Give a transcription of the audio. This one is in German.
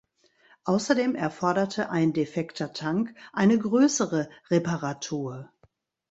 Außerdem erforderte ein defekter Tank eine größere Reparatur.